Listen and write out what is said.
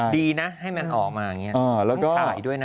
ดีนะให้มันออกมาอย่างนี้แล้วก็ขายด้วยนะ